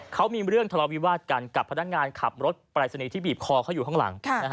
เขามีเรื่องทะเลาวิวาสกันกับพนักงานขับรถปรายศนีย์ที่บีบคอเขาอยู่ข้างหลัง